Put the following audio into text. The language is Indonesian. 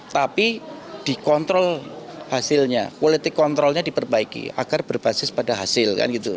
tapi dikontrol hasilnya kualitas kontrolnya diperbaiki agar berbasis pada hasil